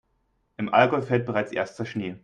Im Allgäu fällt bereits erster Schnee.